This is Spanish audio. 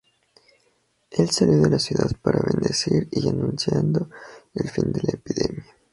Él salió de la ciudad para bendecir y anunciando el fin de la epidemia.